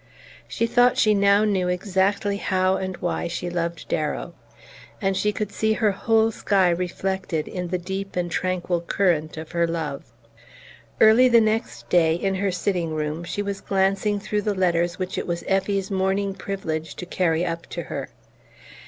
She thought she now knew exactly how and why she loved Darrow, and she could see her whole sky reflected in the deep and tranquil current of her love. Early the next day, in her sitting room, she was glancing through the letters which it was Effie's morning privilege to carry up to her.